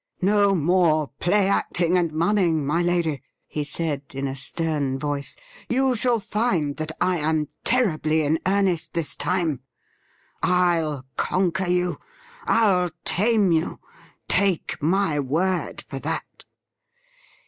' No more play acting and mumming, my lady,' he said in a stem voice. ' You shall find that I am terribly in earnest this time. I'll conquer you ! I'll tame you — take my word for that